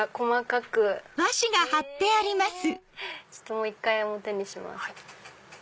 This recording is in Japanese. もう１回表にします。